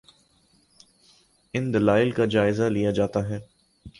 ان دلائل کا جائزہ لیا جاتا ہے۔